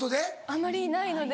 あんまりいないので。